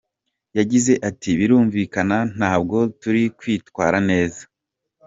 Yagize ati “Birumvikana ntabwo turi kwitwara neza.